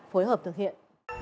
phối hợp thực hiện